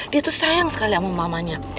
dia tuh sayang sekali sama mamanya